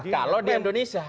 kalau di indonesia